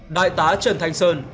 đại tá trần thành sơn